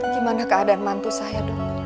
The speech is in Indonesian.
gimana keadaan mantu saya dong